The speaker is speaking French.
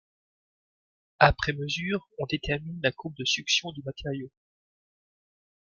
Après mesure on détermine la courbe de succion du matériau.